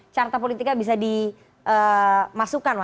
carita politika bisa dimasukkan mas